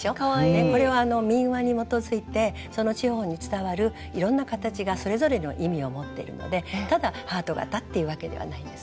これは民話に基づいてその地方に伝わるいろんな形がそれぞれの意味を持ってるのでただハート形っていうわけではないんですね。